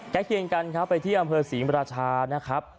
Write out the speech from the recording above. เคียงกันครับไปที่อำเภอศรีมราชานะครับ